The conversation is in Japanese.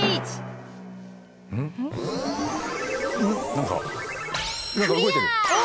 何か何か動いてる。